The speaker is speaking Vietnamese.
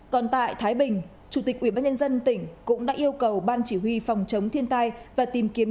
còn tại thái bình chủ tịch ubnd tỉnh cũng đã yêu cầu ban chỉ huy phòng chống thiên tai và tìm kiếm